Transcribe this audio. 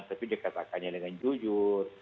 tapi dia katakannya dengan jujur